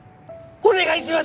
お願いします